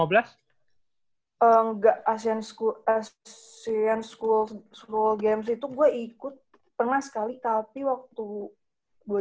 enggak asian school games itu gue ikut pernah sekali kali waktu dua ribu an apa ya